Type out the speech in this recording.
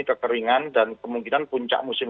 kekeringan dan kemungkinan puncak musim